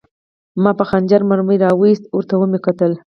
ما په خنجر مرمۍ را وویسته او ورته مې وکتل